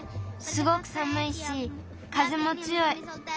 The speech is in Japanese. すごく寒いしかぜもつよい。